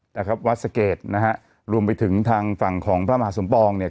นะครับวัดสะเกดนะฮะรวมไปถึงทางฝั่งของพระมหาสมปองเนี่ย